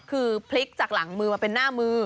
คือพลิกจากหลังมือมาเป็นหน้ามือ